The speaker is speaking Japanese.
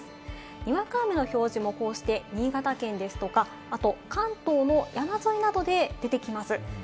にわか雨の表示もこうして新潟県ですとか、あと関東の山沿いなどで出てきます。